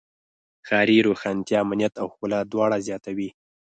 ښاري روښانتیا امنیت او ښکلا دواړه زیاتوي.